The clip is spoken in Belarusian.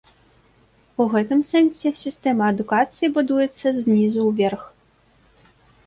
У гэтым сэнсе сістэма адукацыі будуецца знізу ўверх.